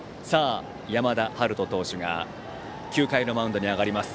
山田陽翔投手が９回のマウンドに上がります。